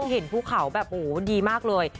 เห็นภูเขาแบบโอ้โหดีมากเลย